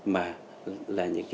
mà bệnh nhân sẽ không có